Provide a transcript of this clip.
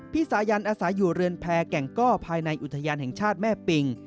สายันอาศัยอยู่เรือนแพรแก่งก้อภายในอุทยานแห่งชาติแม่ปิง